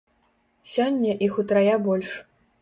Сёння іх утрая больш.